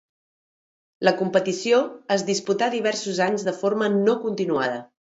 La competició es disputà diversos anys de forma no continuada.